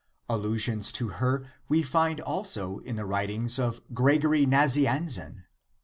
Allusions to her we find also in the writings of Gregory Nazianzen.